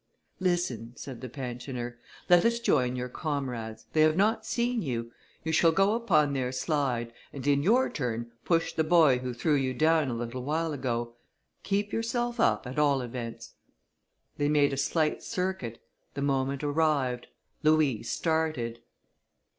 "Listen," said the pensioner, "let us join your comrades; they have not seen you. You shall go upon their slide, and in your turn push the boy who threw you down a little while ago. Keep yourself up, at all events." They made a slight circuit; the moment arrived; Louis started.